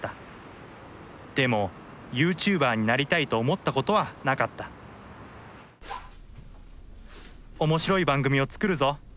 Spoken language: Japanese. でもユーチューバーになりたいと思ったことはなかった面白い番組を作るぞ！